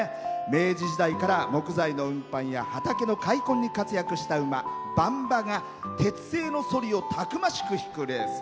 明治時代から木材の運搬や畑の開墾に活躍した馬ばん馬が鉄製のそりをたくましく引くレース。